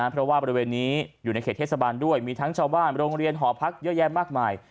เพราะว่าบริเวณนี้อยู่ในเขตเทศบาลด้วยมีทั้งชาวบ้านโรงเรียนหอพักเยอะแยะมากมาย